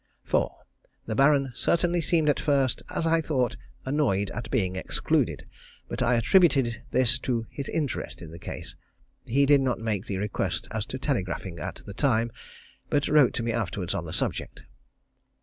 4. The Baron certainly seemed at first, as I thought, annoyed at being excluded, but I attributed this to his interest in the case. He did not make the request as to telegraphing at the time, but wrote to me afterwards on the subject.